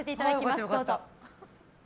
どうぞ。